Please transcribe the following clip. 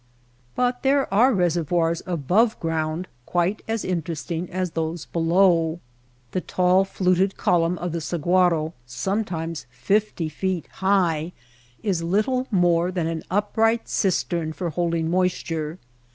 But there are reservoirs above ground quite as interesting as those below. The tall fluted column of the sahuaro, sometimes fifty feet high, is little more than an upright cistern for holding moisture.